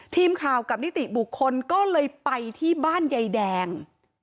ทีมข่าวกับนิติบุคคลก็เลยไปที่บ้านยายแดง